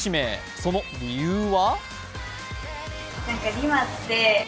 その理由は？